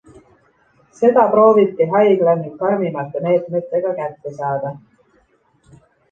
Seda proovibki haigla nüüd karmimate meetmetega kätte saada.